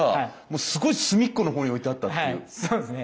そうですね。